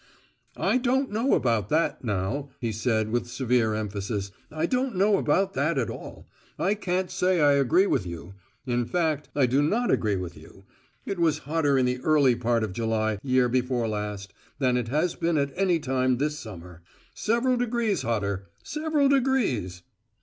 "I don't know about that, now," he said with severe emphasis. "I don't know about that at all. I can't say I agree with you. In fact, I do not agree with you: it was hotter in the early part of July, year before last, than it has been at any time this summer. Several degrees hotter several degrees."